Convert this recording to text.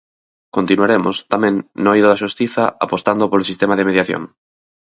Continuaremos, tamén, no eido da xustiza apostando polo sistema de mediación.